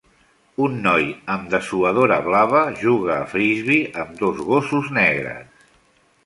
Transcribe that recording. Un noi amb dessuadora blava juga a Frisbee amb dos gossos negres.